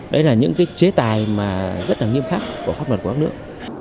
đấy là những chế tài rất nghiêm khắc của pháp luật của các nước